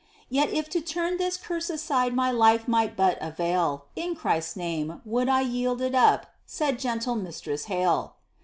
Yet if to turn this curse aside my life might but avail, In Christ's name would I yield it up," said gentle Mistress Hale.